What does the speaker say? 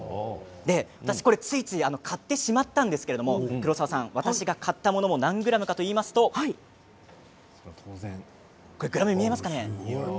私これ、ついつい買ってしまったんですけど黒沢さん私が買ったもの何ｇかといいますと見えますかね。